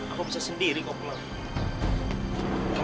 aku bisa sendiri kok pulang